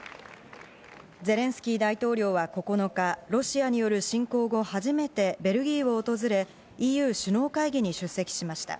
ゼレンスキー大統領は９日、ロシアによる侵攻後、初めてベルギー訪れ、ＥＵ首脳会議に出席しました。